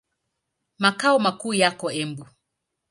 Makao makuu yako Embu.